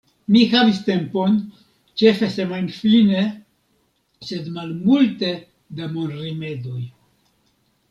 Mi havis tempon, ĉefe semajnfine, sed malmulte da monrimedoj.